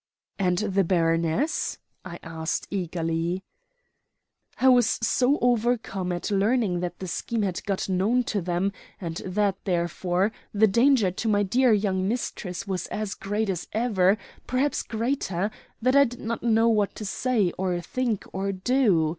"And the baroness?" I asked eagerly. "I was so overcome at learning that the scheme had got known to them, and that, therefore, the danger to my dear young mistress was as great as ever, perhaps greater, that I did not know what to say, or think, or do.